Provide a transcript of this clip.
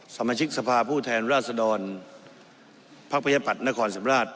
สมาชิกสภาพผู้แทนราชดรภักดิ์ประชาปัตย์นครสำราช